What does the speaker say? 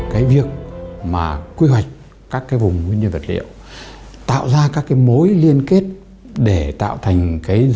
cái việc mà quy hoạch các cái vùng như vật liệu tạo ra các cái mối liên kết để tạo thành cái dây chỗ